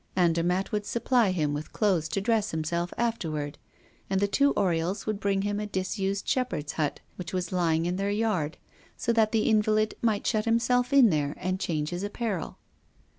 Andermatt would supply him with clothes to dress himself afterward, and the two Oriols would bring him a disused shepherd's hut, which was lying in their yard, so that the invalid might shut himself in there, and change his apparel.